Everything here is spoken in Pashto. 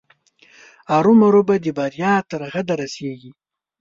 ارومرو به د بریا تر سرحده رسېږي.